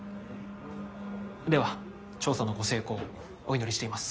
では調査のご成功お祈りしています。